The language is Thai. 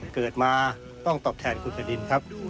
เกิดมาต้องตอบแทนคุณสดินครับ